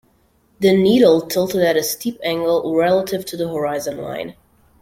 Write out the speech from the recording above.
The needle tilted at a steep angle relative to the horizon line.